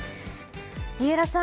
三浦さん